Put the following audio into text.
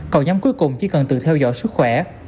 còn nhóm cuối cùng chỉ cần tự theo dõi sức khỏe